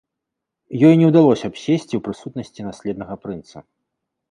Ёй не ўдалося б сесці ў прысутнасці наследнага прынца.